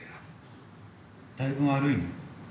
だいぶ悪いの？